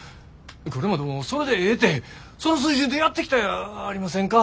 これまでもそれでええてその水準でやってきたやありませんか。